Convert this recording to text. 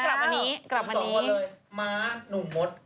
มานี่๒วันเลยม้าหนุ่มมด